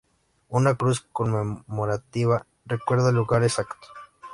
Una cruz conmemorativa recuerda el lugar exacto.